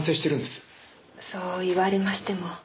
そう言われましても。